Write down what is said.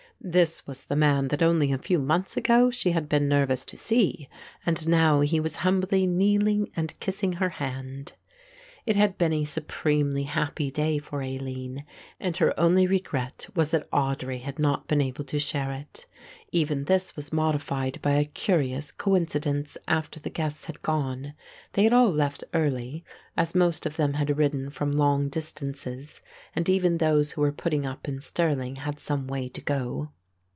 This was the man that only a few months ago she had been nervous to see and now he was humbly kneeling and kissing her hand. It had been a supremely happy day for Aline, and her only regret was that Audry had not been able to share it. Even this was modified by a curious coincidence, after the guests had gone. They had all left early, as most of them had ridden from long distances and even those who were putting up in Stirling had some way to go.